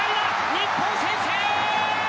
日本、先制！